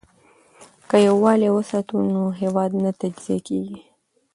که یووالي وساتو نو هیواد نه تجزیه کیږي.